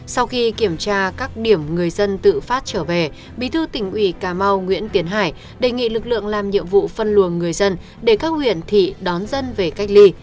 sau khi kiểm tra các điểm người dân tự phát trở về bí thư tỉnh ủy cà mau nguyễn tiến hải đề nghị lực lượng làm nhiệm vụ phân luồng người dân để các huyện thị đón dân về cách ly